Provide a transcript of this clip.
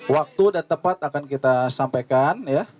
waktu dan tepat akan kita sampaikan